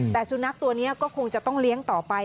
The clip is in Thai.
แต่สุนัขตัวนี้ก็คงจะต้องเลี้ยงต่อไป